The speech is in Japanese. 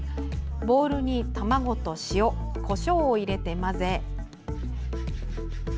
ボウルに卵と塩、こしょうを入れて混ぜ